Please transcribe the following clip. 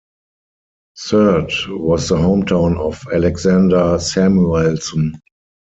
Surte was the hometown of Alexander Samuelson.